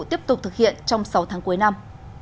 tiếp tục thực hiện trong sáu tháng cuối năm